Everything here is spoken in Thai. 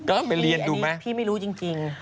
อันนี้พี่ไม่รู้จริง